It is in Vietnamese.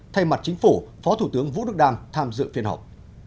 thay mặt chính phủ phó thủ tướng vũ đức đam tham dự phiên họp